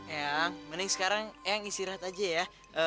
eang mending sekarang eang istirahat aja ya